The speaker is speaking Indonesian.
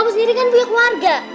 aku sendiri kan punya keluarga